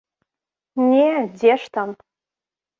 Не, дзе ж там!